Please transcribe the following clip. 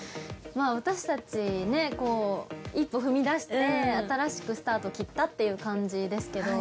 まあ私たちねこう一歩踏み出して新しくスタート切ったっていう感じですけど。